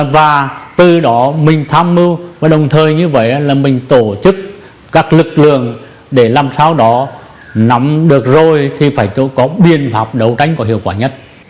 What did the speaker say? và từ đó mình tham mưu và đồng thời như vậy là mình tổ chức các lực lượng để làm sao đó nắm được rồi thì phải có biện pháp đấu tranh có hiệu quả nhất